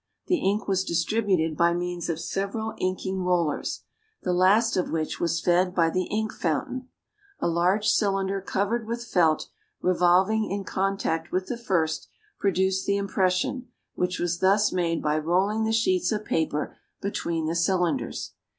The ink was distributed by means of several inking rollers, the last of which was fed by the ink fountain. A large cylinder covered with felt, revolving in contact with the first, produced the impression, which was thus made by rolling the sheets of paper between the cylinders.